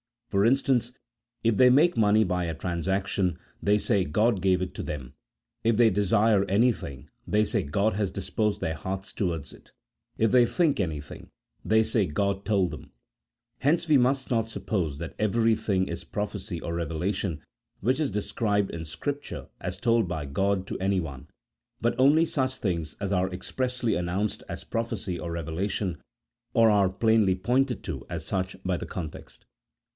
For instance, if they make money by a transaction, they say God gave it to them ; if they desire anything, they say God has disposed their hearts towards it ; if they think anything, they say God told them. Hence we must not suppose that every thing is prophecy or revelation which is described in Scripture as told by God to anyone, but only such things as are expressly announced as prophecy or revelation, or are plainly pointed to as such by the context.